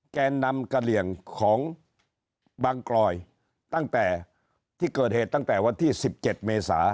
แกนนำกระเหลี่ยงของบางกลอยตั้งแต่ที่เกิดเหตุตั้งแต่วันที่๑๗เมษา